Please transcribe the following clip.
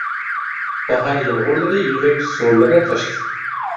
باھار يامغۇرلىرى يېغىپ، سۇلىرى تاشتى.